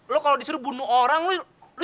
lo kalau disuruh bunuh orang lo juga mau begitu